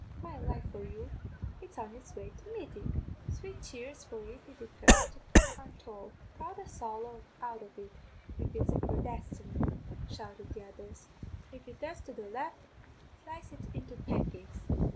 'My life for you, it's on it's way to Meeting. Three cheers for it if it turns to Carntaul.' 'Prod the sowl out of it, if it's a Prodestan',' shouted the others; 'if it turns to the left, slice it into pancakes.